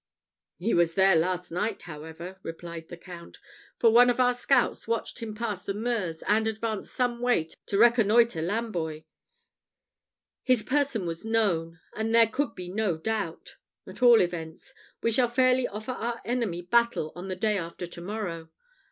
"He was there last night, however," replied the Count; "for one of our scouts watched him pass the Meuse and advance some way to reconnoitre Lamboy: his person was known, and there could be no doubt. At all events, we shall fairly offer our enemy battle on the day after to morrow.